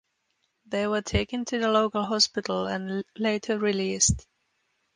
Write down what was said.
They were taken to the local hospital and later released.